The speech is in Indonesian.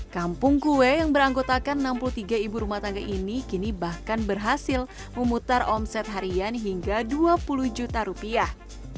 kampung kue yang beranggotakan enam puluh tiga ibu rumah tangga ini kini bahkan berhasil memutar omset harian hingga dua puluh juta rupiah